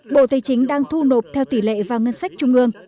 bộ tài chính đang thu nộp theo tỷ lệ vào ngân sách trung ương